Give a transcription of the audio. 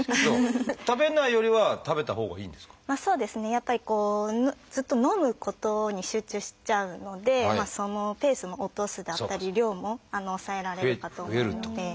やっぱりずっと飲むことに集中しちゃうのでそのペースも落とすだったり量も抑えられるかと思うので。